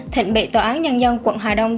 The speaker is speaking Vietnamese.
thịnh bị tòa án nhân dân quận hà đông